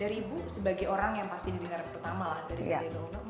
dari ibu sebagai orang yang pasti didengar pertama lah dari sadai daunur